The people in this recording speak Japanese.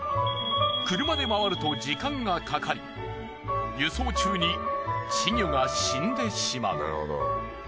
車で回ると時間がかかり輸送中に稚魚が死んでしまう。